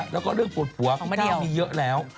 แล้วก็เรื่องปวดหัวของแม่มีเยอะแล้ว